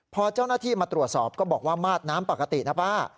พอเจ้าหน้าที่มาตรวจสอบก็บอกว่ามาดน้ำปกตินะป้า